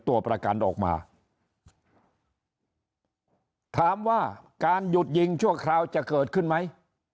ตัวประกันออกมาถามว่าการหยุดยิงชั่วคราวจะเกิดขึ้นไหม